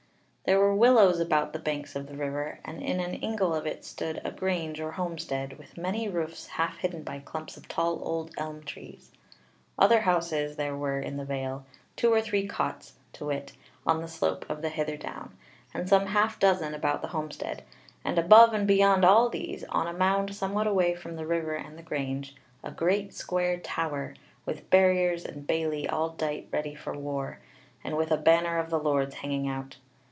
There were willows about the banks of the river, and in an ingle of it stood a grange or homestead, with many roofs half hidden by clumps of tall old elm trees. Other houses there were in the vale; two or three cots, to wit, on the slope of the hither down, and some half dozen about the homestead; and above and beyond all these, on a mound somewhat away from the river and the grange, a great square tower, with barriers and bailey all dight ready for war, and with a banner of the Lord's hanging out.